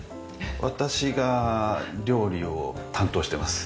私が料理を担当してます。